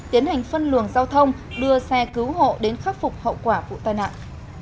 tiến hành phân luồng giao thông đưa xe cứu hộ đến khắc phục hậu quả vụ tai nạn